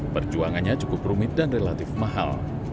perjuangannya cukup rumit dan relatif mahal